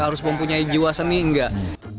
harus mempunyai jiwa seni enggak